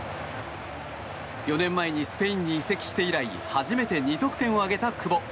４年前にスペインに移籍して以来初めて２得点を挙げた久保。